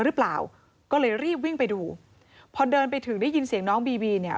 หรือเปล่าก็เลยรีบวิ่งไปดูพอเดินไปถึงได้ยินเสียงน้องบีบีเนี่ย